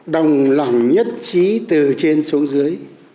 đồng lòng nhất trí từ trên xuống dưới